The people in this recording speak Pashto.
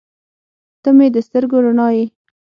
• ته مې د سترګو رڼا یې.